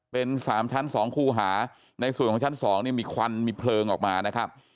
เป็น๓ชั้น๒คู่หาในส่วนของชั้น๒เนี่ยมีควันมีเพลิงออกมานะครับ